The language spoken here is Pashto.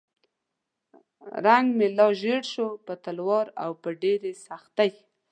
رنګ مې لا ژیړ شو په تلوار او په ډېرې سختۍ.